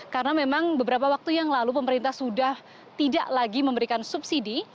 karena memang beberapa waktu yang lalu pemerintah sudah tidak lagi memberikan subsidi